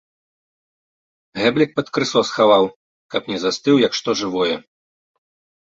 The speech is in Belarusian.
Гэблік пад крысо схаваў, каб не застыў, як што жывое.